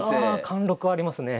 貫禄ありますね。